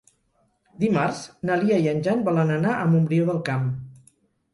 Dimarts na Lia i en Jan volen anar a Montbrió del Camp.